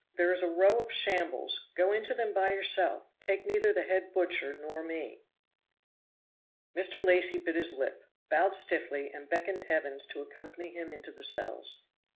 There is a row of shambles, go into them by yourself, take neither the head butcher nor me." Mr. Lacy bit his lip, bowed stiffly, and beckoned Evans to accompany him into the cells.